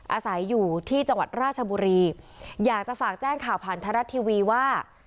อาศัยอยู่ที่จังหวัดราชบุรีอยากจะฝากแจ้งข่าวผ่านไทยรัฐทีวีว่า